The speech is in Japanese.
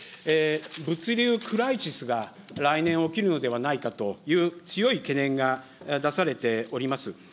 物流クライシスが来年起きるのではないかという、強い懸念が出されております。